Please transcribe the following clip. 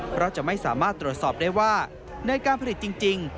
เพราะจะไม่สามารถตรวจสอบได้ว่าในการผลิตจริง